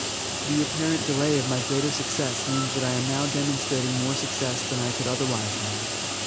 The apparent delay of my greater success means that I am now demonstrating more success than I could otherwise have.